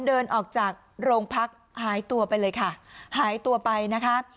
เดินออกจากโรงพักหายตัวไปเลยค่ะหายตัวไปนะคะ